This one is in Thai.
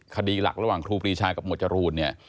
คดีหลักระหว่างครูปรีชากับหมวดจรูนเนี่ย